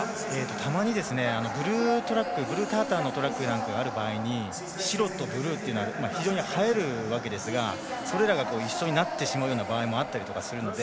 たまにブルーのトラックなんかがある場合に白とブルーというのは非常に映えるわけですがそれらが一緒になってしまう場合もあったりするので。